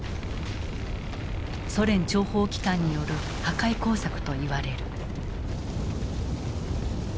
ソ連諜報機関による破壊工作と言われる。